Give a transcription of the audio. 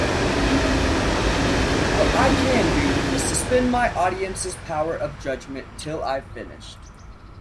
What I can do is suspend my audience's power of judgement till I've finished.